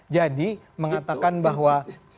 jadi mengatakan bahwa